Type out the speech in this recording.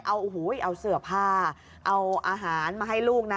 เอาเสือผ้าเอาอาหารมาให้ลูกนะ